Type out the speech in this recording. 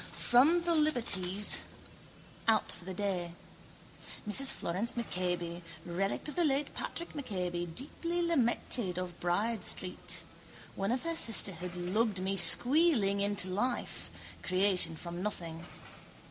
From the liberties, out for the day. Mrs Florence MacCabe, relict of the late Patk MacCabe, deeply lamented, of Bride Street. One of her sisterhood lugged me squealing into life. Creation from nothing.